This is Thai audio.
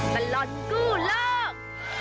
ตลอดกู้โลก